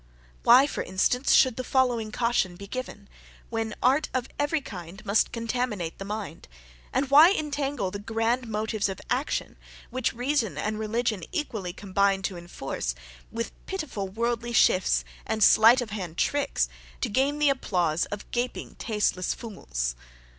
Why, for instance, should the following caution be given, when art of every kind must contaminate the mind; and why entangle the grand motives of action, which reason and religion equally combine to enforce, with pitiful worldly shifts and slight of hand tricks to gain the applause of gaping tasteless fools?